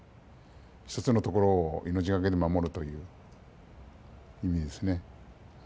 １つのところを命懸けで守るという意味ですね。